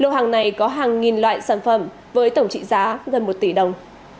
lô hàng này có hàng nghìn loại sản phẩm với tổng trị giá gần một tỷ đồng